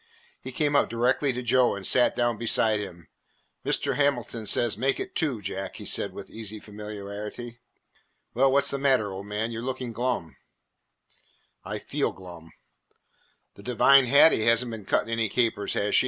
He came up directly to Joe and sat down beside him. "Mr. Hamilton says 'Make it two, Jack,'" he said with easy familiarity. "Well, what 's the matter, old man? You 're looking glum." "I feel glum." "The divine Hattie has n't been cutting any capers, has she?